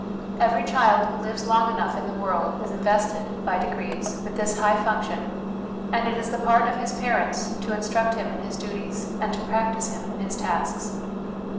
Every child who lives long enough in the world is invested, by degrees, with this high function, and it is the part of his parents to instruct him in his duties, and to practise him in his tasks.